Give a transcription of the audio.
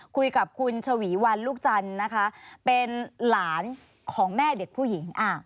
คุยกับคุณชวีวันลูกจันทร์นะคะเป็นหลานของแม่เด็กผู้หญิง